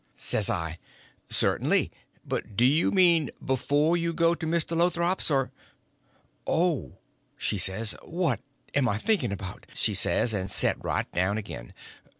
Says I: "Cert'nly. But do you mean before you go to Mr. Lothrop's, or—" "Oh," she says, "what am I thinking about!" she says, and set right down again.